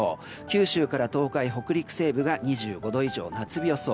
九州から東海、北陸西部が２５度以上で夏日予想。